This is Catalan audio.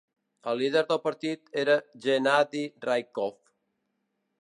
El líder del partit era Gennady Raikov.